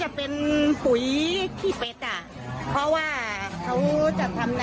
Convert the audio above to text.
อ่าเพราะว่า